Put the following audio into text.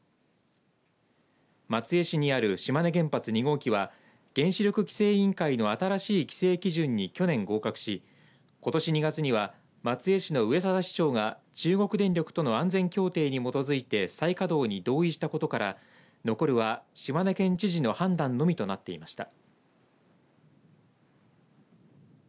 松江市にある島根原発２号機は原子力規制委員会の新しい規制基準に去年合格し、ことし２月には松江市の上沢市長が中国電力との安全協定に基づいて再稼働に同意したことから残るは島根県知事の判断のみとなっていました。